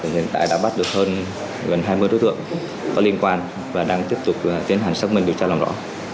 hiện tại đã bắt được hơn gần hai mươi đối tượng có liên quan và đang tiếp tục tiến hành xác minh điều tra làm rõ